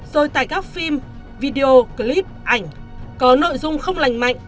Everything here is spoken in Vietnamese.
rồi tại các phim video clip ảnh có nội dung không lành mạnh